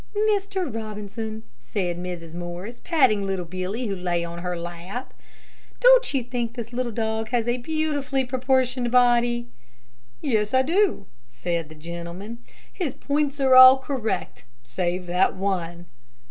"Mr. Robinson," said Mrs. Morris, patting little Billy, who lay on her lap, "don't you think that this little dog has a beautifully proportioned body?" "Yes, I do," said the gentleman. "His points are all correct, save that one."